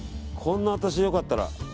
「こんな私でよかったら」。